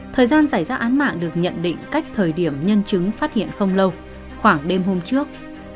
thời gian xảy ra án mạng được nhận định cách thời điểm nhân chứng phát hiện không lâu khoảng đêm hôm trước